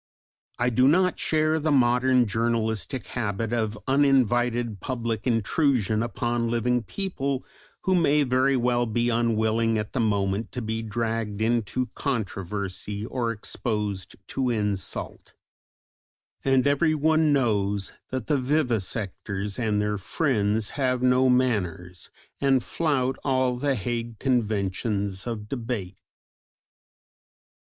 I do not share the modern journalistic habit of uninvited public intrusion upon living people who may very well be unwilling at the moment to be dragged into controversy or exposed to insult; and every one knows that the vivisectors and their friends have no manners, and flout all the Hague conventions of debate.